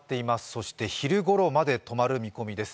そして昼ごろまで止まる見込みです。